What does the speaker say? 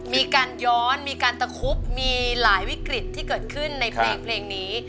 มีการย้อนมีการตะคุบมีหลายวิกฤตที่เกิดขึ้นในเพลงนี้